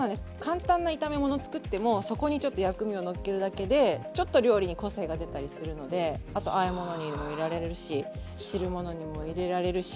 簡単な炒め物作ってもそこにちょっと薬味をのっけるだけでちょっと料理に個性が出たりするのであとあえ物にも入れられるし汁物にも入れられるし。